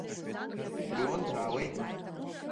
Леон даауеит.